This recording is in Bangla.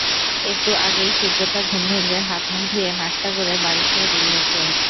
একটু আগেই সূর্যটা ঘুম ভেঙে হাত-মুখ ধুয়ে নাশতা করে বাড়ি ছেড়ে বেরিয়েছে।